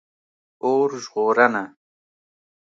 🚒 اور ژغورنه